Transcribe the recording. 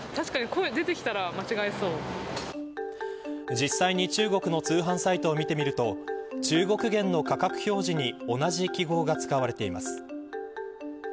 実際に中国の通販サイトを見てみると中国元の価格表示に同じ記号が使われています。